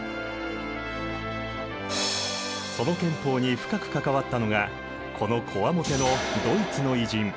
その憲法に深く関わったのがこのコワモテのドイツの偉人。